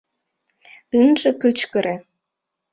Ынже кычкыре.